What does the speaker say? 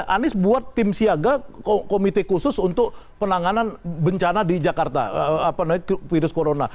anies buat tim siaga komite khusus untuk penanganan bencana di jakarta virus corona